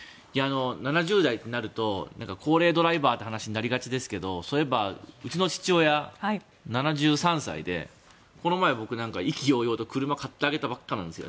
７０代となると高齢ドライバーという話になりがちですけどそういえばうちの父親、７３歳でこの前、僕は意気揚々と車を買ってあげたばかりなんです。